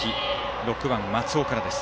６番、松尾からです。